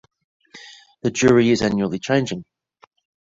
The jury is annually changing.